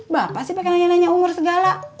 bapak sih pake nanya nanya umur segala